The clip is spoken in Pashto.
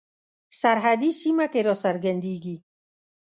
سرحدي سیمه کې را څرګندیږي.